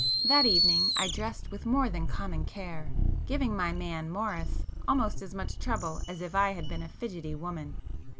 That evening I dressed with more than common care, giving my man Morris almost as much trouble as if I had been a fidgetty woman.